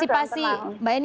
baik mbak eni